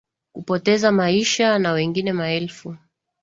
kupoteza maisha na wengine maelfu